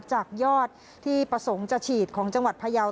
จากยอดที่ประสงค์จะฉีดของจังหวัดพยาว